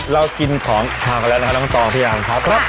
เรากินของขาวแล้วนะฮะน้องตองพี่ยามครับครับ